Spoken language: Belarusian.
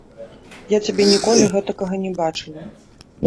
Я цябе ніколі гэтакага не бачыла.